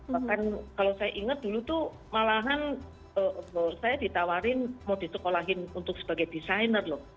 bahkan kalau saya ingat dulu tuh malahan saya ditawarin mau disekolahin untuk sebagai desainer loh